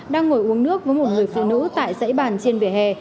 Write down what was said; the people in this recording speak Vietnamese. đang ngồi uống nước với một người phụ nữ tại dãy bàn trên vỉa hè